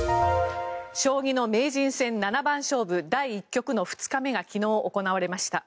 将棋の名人戦七番勝負第１局の２日目が昨日行われました。